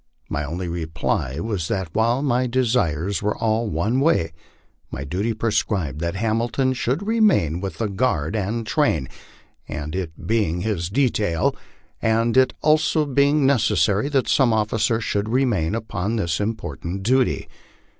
My only reply was that while my desires were all one way my duty prescribed that Hamilton should remain with the guard and train, it being his detail, and it also being necessary that some officer should remain upon this important duty.